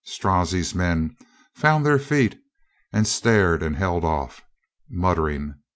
Strozzi's men found their feet and stared and held off, muttering.